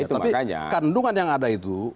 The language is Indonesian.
tapi kandungan yang ada itu